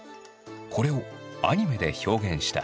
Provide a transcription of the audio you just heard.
これをアニメで表現した。